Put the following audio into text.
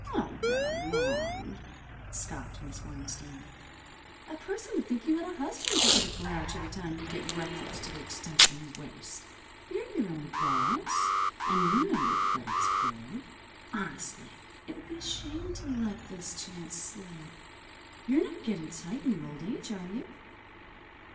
"Oh, run along!" scoffed Miss Weinstein. "A person would think you had a husband to get a grouch every time you get reckless to the extent of a new waist. You're your own boss. And you know your credit's good. Honestly, it would be a shame to let this chance slip. You're not getting tight in your old age, are you?"